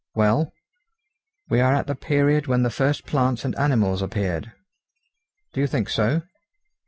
"Well?" "We are at the period when the first plants and animals appeared." "Do you think so?"